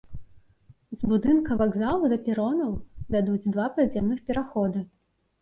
З будынка вакзалу да перонаў вядуць два падземных пераходы.